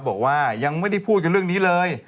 บอกว่ายังไม่ได้พูดกันเรื่องนี้เลย